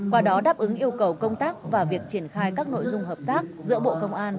qua đó đáp ứng yêu cầu công tác và việc triển khai các nội dung hợp tác giữa bộ công an